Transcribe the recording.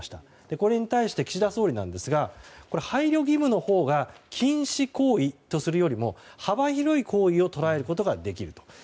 これに対して岸田総理ですが配慮義務のほうが禁止行為とするよりも幅広い行為を捉えることができる。